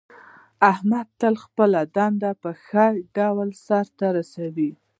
احمد تل خپله دنده په ښه ډول سرته رسوي.